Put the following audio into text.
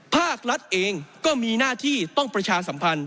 ภาครัฐเองก็มีหน้าที่ต้องประชาสัมพันธ